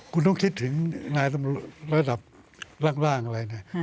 คุณต้องคิดถึงรายศัพท์ร่างอะไรเนี่ย